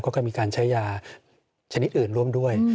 ก็มีการใช้ยาชนิดอื่นร่วมด้วย